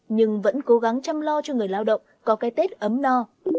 nhưng vẫn cố gắng chăm lo cho người lao động có cái tết ấm no